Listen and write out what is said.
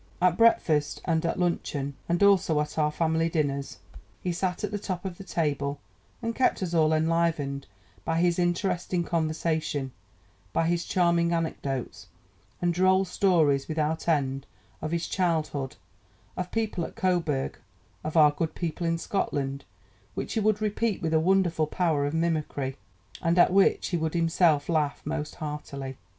"At breakfast and at luncheon, and also at our family dinners, he sat at the top of the table, and kept us all enlivened by his interesting conversation, by his charming anecdotes, and droll stories without end of his childhood, of people at Coburg, of our good people in Scotland, which he would repeat with a wonderful power of mimicry, and at which he would himself laugh most heartily.